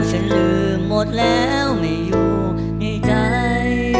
ฉันลืมหมดแล้วไม่อยู่ในใจ